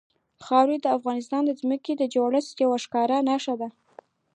خاوره د افغانستان د ځمکې د جوړښت یوه ښکاره نښه ده.